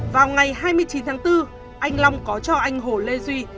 vào ngày hai mươi chín tháng bốn anh long có cho anh hồ lê duy